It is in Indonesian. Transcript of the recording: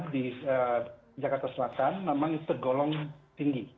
dua ratus dua puluh enam di jakarta selatan memang itu golong tinggi